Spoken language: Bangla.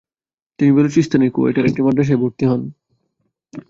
তিনি বেলুচিস্তানের কোয়েটায় একটি মাদ্রাসায় ভর্তি হন।